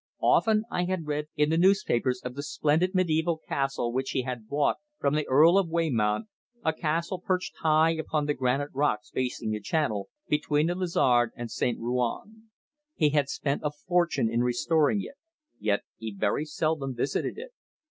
Often I had read in the newspapers of the splendid mediæval castle which he had bought from the Earl of Weymount, a castle perched high upon the granite rocks facing the Channel, between the Lizard and St. Ruan. He had spent a fortune in restoring it, yet he very seldom visited it.